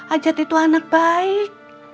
ajat itu anak baik